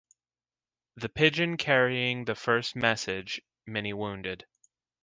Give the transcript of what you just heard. The pigeon carrying the first message, Many wounded.